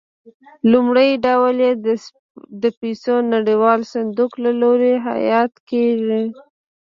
لومړی ډول یې د پیسو نړیوال صندوق له لوري حیات کېږي.